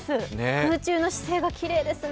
空中の姿勢がきれいですね。